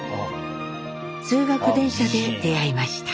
通学電車で出会いました。